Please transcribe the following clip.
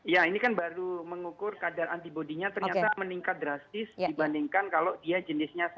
ya ini kan baru mengukur kadar antibody nya ternyata meningkat drastis dibandingkan kalau dia jenisnya satu